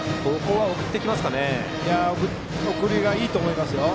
送るのがいいと思います。